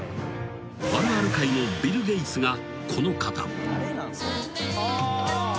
［あるある界のビル・ゲイツがこの方］